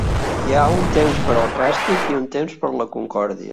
Hi ha un temps per al càstig i un temps per a la concòrdia.